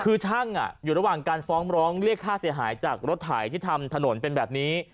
คือช่างอยู่ระหว่างการฟ้องร้องเรียกค่าเสียหายจากรถถ่ายที่ทำถนนเป็นแบบนี้